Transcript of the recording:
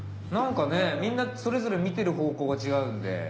なんかねみんなそれぞれ見てる方向が違うんで。